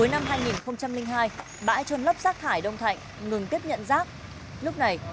đều vô cùng đơn giản